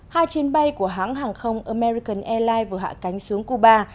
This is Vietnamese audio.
hai chuyến bay của hãng hàng không american airlines vừa hạ cánh xuống cuba